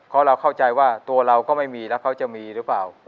เพราะเราเข้าใจว่าตัวเราก็ไม่มีแล้วเขาจะมีหรือเปล่า